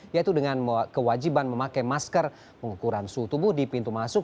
yaitu dengan kewajiban memakai masker pengukuran suhu tubuh di pintu masuk